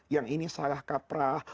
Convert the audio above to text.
yang ini salah kaprah